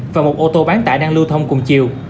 và một ô tô bán tải đang lưu thông cùng chiều